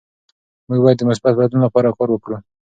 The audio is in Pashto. موږ باید د مثبت بدلون لپاره کار وکړو.